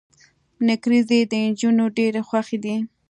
نکریزي د انجونو ډيرې خوښې دي.